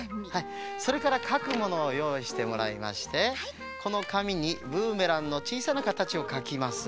それからかくものをよういしてもらいましてこのかみにブーメランのちいさなかたちをかきます。